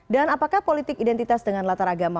dan apakah politik identitas dengan latar agama